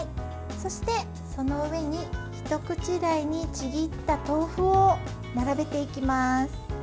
そして、その上に一口大にちぎった豆腐を並べていきます。